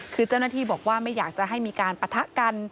คือเจ้าหน้าที่บอกว่าไม่อยากจะให้มีการปะทะกัน